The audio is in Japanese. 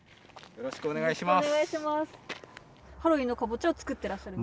よろしくお願いします。